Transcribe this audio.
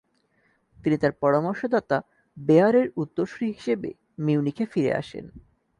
তিনি তার পরামর্শদাতা বেয়ারের উত্তরসূরি হিসেবে মিউনিখে ফিরে আসেন।